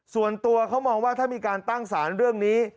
ส่วนตัวเขามองว่าถ้ามีการตั้งสารเรื่องนี้